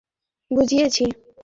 আমি ইউনিভার্সের কথা বুঝিয়েছি, স্যার।